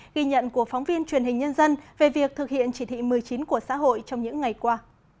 ghi nhận của phóng viên truyền hình nhân dân về việc thực hiện chỉ thị một mươi chín của xã hội trong những ngày qua